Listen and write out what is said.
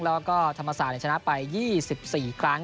แล้วก็ธรรมศาสตร์ชนะไป๒๔ครั้ง